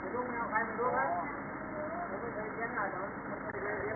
ดูแนวไขมันดูป่ะโดยไม่เคยเคลียบไล่แสดงไปด้วย